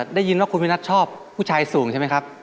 ได้ยินว่าคุณวินัทชอบผู้ชายสูงใช่ไหมครับ